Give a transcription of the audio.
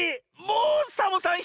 もうサボさん